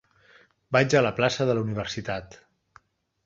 Vaig a la plaça de la Universitat.